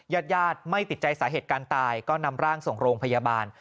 ญาติญาติไม่ติดใจสาเหตุการณ์ตายก็นำร่างส่งโรงพยาบาล